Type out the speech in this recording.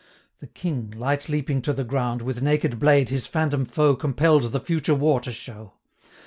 The King, light leaping to the ground, With naked blade his phantom foe 470 Compell'd the future war to show.